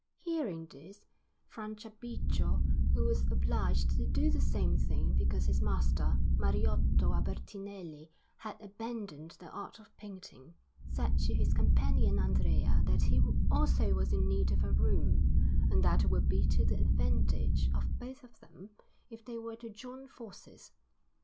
Hearing this, Franciabigio, who was obliged to do the same thing because his master Mariotto Albertinelli had abandoned the art of painting, said to his companion Andrea that he also was in need of a room, and that it would be to the advantage of both of them if they were to join forces.